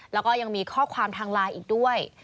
แล้วก็ยังมีข้อความทางไลน์อีกด้วย